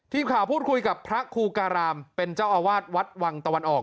ทีมข่าวพูดคุยกับพระครูการามเป็นเจ้าอาวาสวัดวังตะวันออก